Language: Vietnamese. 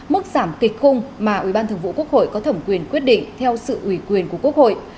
mức giảm kịch cung mà ubthq có thẩm quyền quyết định theo sự ủy quyền của quốc hội